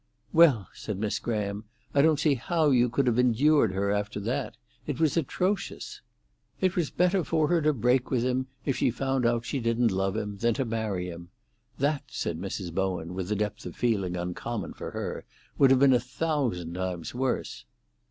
"Well," said Miss Graham, "I don't see how you could have endured her after that. It was atrocious." "It was better for her to break with him, if she found out she didn't love him, than to marry him. That," said Mrs. Bowen, with a depth of feeling uncommon for her, "would have been a thousand times worse."